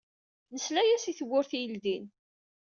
Nesla-yas i tewwurt i yeldin.